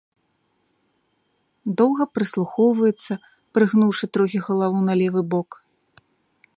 Доўга прыслухоўваецца, прыгнуўшы трохі галаву на левы бок.